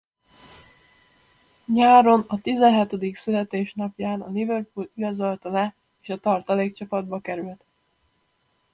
Nyáron a tizenhetedik születésnapján a Liverpool igazolta le és a tartalékcsapatba került.